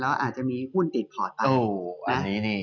อาจจะมีหุ้นติดพอดไป